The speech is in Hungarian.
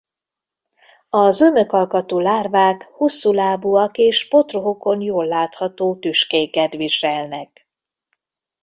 A zömök alkatú lárvák hosszú lábúak és potrohukon jól látható tüskéket viselnek.